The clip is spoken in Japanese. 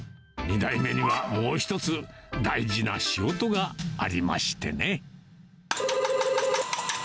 ２代目にはもう１つ、大事な仕事がありましてね。